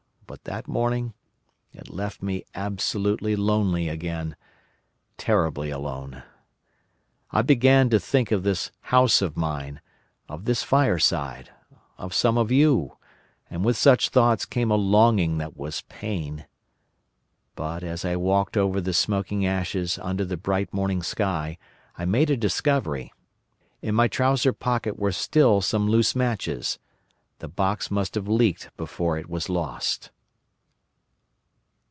But that morning it left me absolutely lonely again—terribly alone. I began to think of this house of mine, of this fireside, of some of you, and with such thoughts came a longing that was pain. "But, as I walked over the smoking ashes under the bright morning sky, I made a discovery. In my trouser pocket were still some loose matches. The box must have leaked before it was lost.